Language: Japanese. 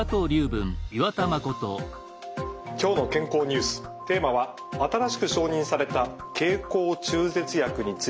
「きょうの健康ニュース」テーマは新しく承認された経口中絶薬についてです。